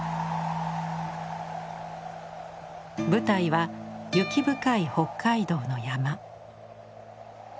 舞台は雪深い北海道の山。